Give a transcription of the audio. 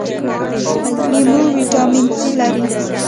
لیمو ویټامین سي لري